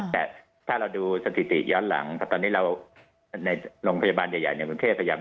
แต่ถ้าเราดูสถิติย้อนหลังถ้าตอนนี้เราในโรงพยาบาลใหญ่